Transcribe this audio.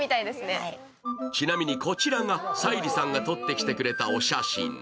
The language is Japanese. ちなみにこちらが、沙莉さんが撮ってきてくれたお写真。